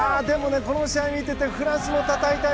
この試合を見ていてフランスをたたえたい。